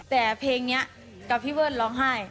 แต่เพลงนี้กับพี่เบิ้ลร้องไห้